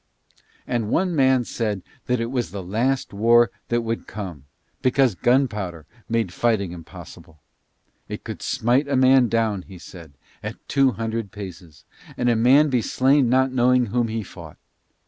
And one man said that it was the last war that would come, because gunpowder made fighting impossible. It could smite a man down, he said, at two hundred paces, and a man be slain not knowing whom he fought.